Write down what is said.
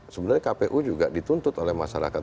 sebenarnya kpu juga dituntut oleh masyarakat